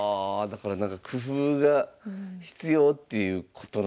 だからなんか工夫が必要っていうことなんですね。